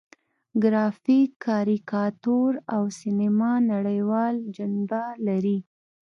ګرافیک، کاریکاتور او سینما نړیواله جنبه لري.